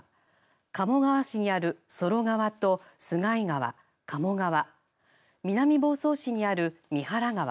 鴨川市にある曽呂川と洲貝川、加茂川南房総市にある三原川